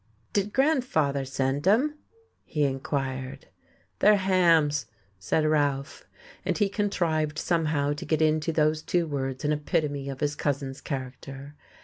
"Did grandfather send 'em?" he inquired. "They're Ham's," said Ralph, and he contrived somehow to get into those two words an epitome of his cousin's character.